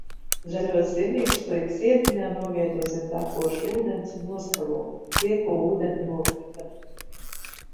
Zaļos zirnīšus liek sietiņā, novieto zem tekoša ūdens un noskalo, lieko ūdeni nokrata.